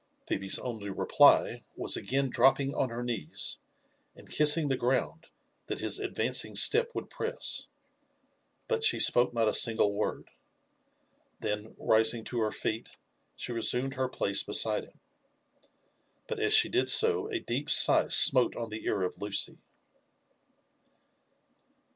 Phcbe's only reply was again dropping on her knees, and kissing the ground that his advancing step would press — but she spoke not a single word. Then, rising to her feet, she resumed her place beside him ; but as she did so, a deep sigh sinote on the ear of Liicy.